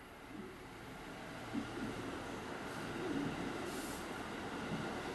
邢家湾镇是中国河北省邢台市任县下辖的一个镇。